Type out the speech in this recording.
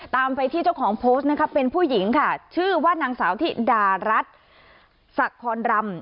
ตามไปที่เจ้าของโพสต์นะคะเป็นผู้หญิงค่ะชื่อว่านางสาวธิดารัฐสักคอนรำ